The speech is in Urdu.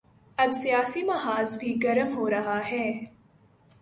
اب سیاسی محاذ بھی گرم ہو رہا ہے۔